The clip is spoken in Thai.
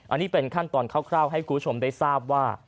อันนี้เป็นขั้นตอนคร่าวให้คุณผู้ชมได้ทราบว่า